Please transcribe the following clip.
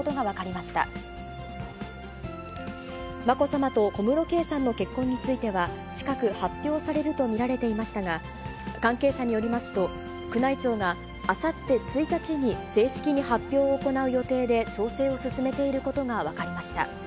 まこさまと小室圭さんの結婚については、近く発表されると見られていましたが、関係者によりますと、宮内庁が、あさって１日に正式に発表を行う予定で、調整を進めていることが分かりました。